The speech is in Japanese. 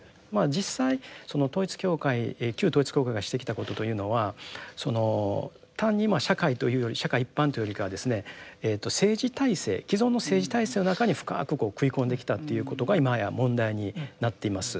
実際その統一教会旧統一教会がしてきたことというのはその単に社会というより社会一般というよりかはですね政治体制既存の政治体制の中に深くこう食い込んできたっていうことが今や問題になっています。